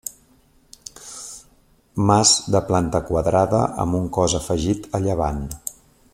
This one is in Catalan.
Mas de planta quadrada amb un cos afegit a llevant.